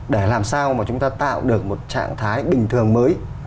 để làm sao mà chúng ta tạo được một trạng thái bình thường mới